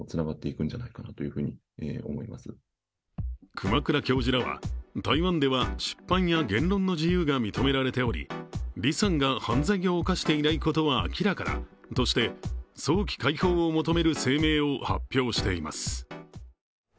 熊倉教授らは、台湾では出版や言論の自由が認められており、李さんが犯罪を犯していないことは明らかだとして早期解放を求める声明を発表しています。